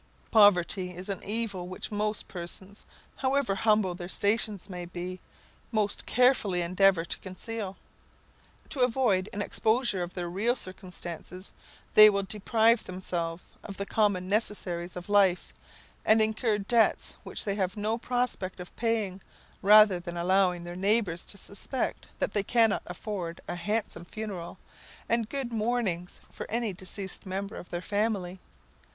Poverty is an evil which most persons, however humble their stations may be, most carefully endeavour to conceal. To avoid an exposure of their real circumstances, they will deprive themselves of the common necessaries of life, and incur debts which they have no prospect of paying, rather than allow their neighbours to suspect that they cannot afford a handsome funeral and good mournings for any deceased member of their family.